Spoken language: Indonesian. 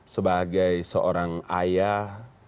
sebagai seorang ayah